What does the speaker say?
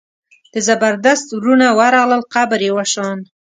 د زبردست وروڼه ورغلل قبر یې وشان.